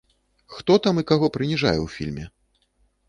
Хто там і каго прыніжае ў фільме?